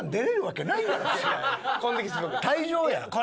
退場やん。